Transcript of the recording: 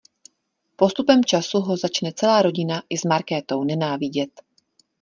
Postupem času ho začne celá rodina i s Markétou nenávidět.